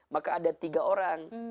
maka ada tiga orang